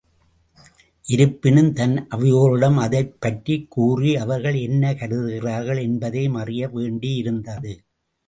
இருப்பினும் தன் அவையோர்களிடம் அதைப் பற்றிக் கூறி அவர்கள் என்ன கருதுகிறார்கள் என்பதையும் அறிய வேண்டியிருந்தது.